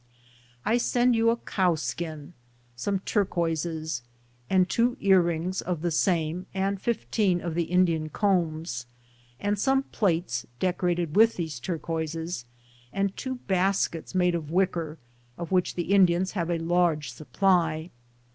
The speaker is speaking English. I send you a cow skin, some turquoises, and two earrings of the same, and fifteen of the Indian combs, 1 and some plates decorat ed with these turquoises, and two baskets made of wicker, of which the Indians have a large supply.